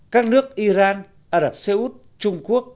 các nước iran ả rập xê út trung quốc